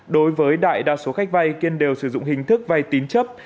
đối với đại đa số khách vay kiên đều sử dụng hình thức vay tín chấp